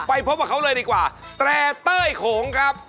ไปพบกับเขาเลยดีกว่าแต่เต้ยโขงครับ